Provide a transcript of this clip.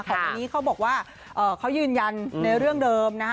คนนี้เขาบอกว่าเขายืนยันในเรื่องเดิมนะฮะ